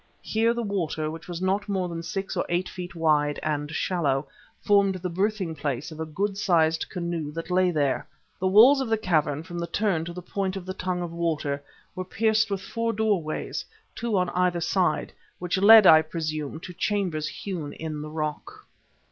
Here the water, which was not more than six or eight feet wide, and shallow, formed the berthing place of a good sized canoe that lay there. The walls of the cavern, from the turn to the point of the tongue of water, were pierced with four doorways, two on either side, which led, I presume, to chambers hewn in the rock.